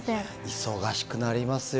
忙しくなりますよ。